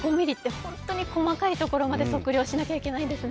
本当に細かいところまで測量しなきゃいけないんですね。